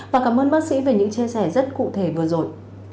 và cảm ơn bác sĩ về những chia sẻ rất cụ thể vừa rồi